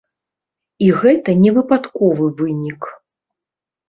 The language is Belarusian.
І гэта не выпадковы вынік.